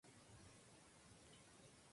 A menudo actuaba junto a su hermano menor.